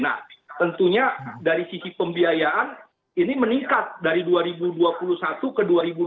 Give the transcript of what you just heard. nah tentunya dari sisi pembiayaan ini meningkat dari dua ribu dua puluh satu ke dua ribu dua puluh